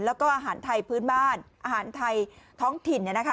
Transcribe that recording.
แล้วก็อาหารไทยพื้นบ้านอาหารไทยท้องถิ่น